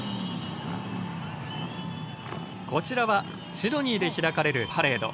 こちらはシドニーで開かれるパレード。